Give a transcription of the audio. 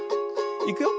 いくよ。